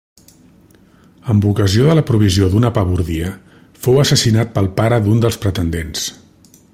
Amb ocasió de la provisió d'una pabordia, fou assassinat pel pare d'un dels pretendents.